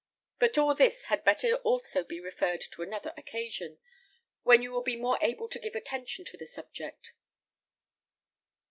But all this had better also be referred to another occasion, when you will be more able to give attention to the subject."